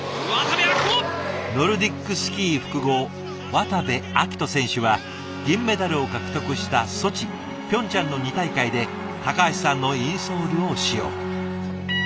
ノルディックスキー複合渡部暁斗選手は銀メダルを獲得したソチピョンチャンの２大会で橋さんのインソールを使用。